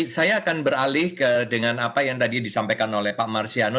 saya akan beralih ke dengan apa yang tadi disampaikan oleh pak marsiano